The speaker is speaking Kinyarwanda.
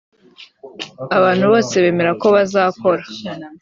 abantu bose bemera ko bazakora